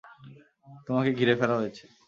তোমাকে ঘিরে ফেলা হয়েছে।